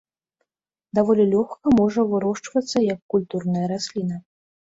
Даволі лёгка можа вырошчвацца як культурная расліна.